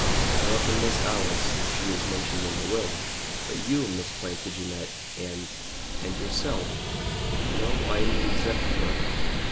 Nor can Miss Alice, since she is mentioned in the will. But you, Miss Plantagenet, and " "And yourself?" "No. I am the executor."